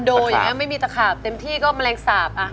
คอนโดอย่างงี้ไม่มีตะขาบเต็มที่ก็มะแรงสาบอะ